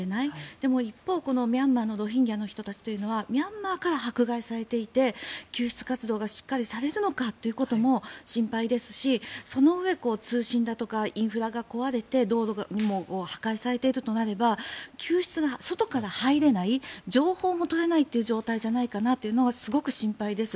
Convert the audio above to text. でも、一方、ミャンマーのロヒンギャの人たちはミャンマーから迫害されていて救出活動がしっかりされるのかということも心配ですし、そのうえ通信とかインフラが壊れて道路も破壊されているとなれば救出が外から入れない情報も取れないという状態じゃないかなというのがすごく心配です。